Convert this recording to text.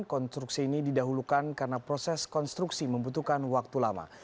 konstruksi ini didahulukan karena proses konstruksi membutuhkan waktu lama